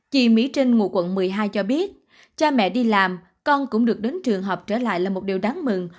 chị mỹ trinh ngụ quận một mươi hai cho biết cha mẹ đi làm con cũng được đến trường học trở lại là một điều đáng mừng